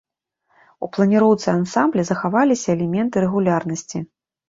У планіроўцы ансамбля захаваліся элементы рэгулярнасці.